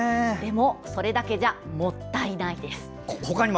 でもそれだけじゃもったいないです。